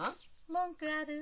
文句ある？